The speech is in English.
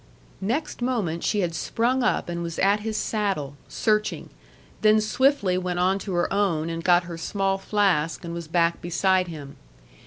Next moment she had sprung up and was at his saddle, searching, then swiftly went on to her own and got her small flask and was back beside him.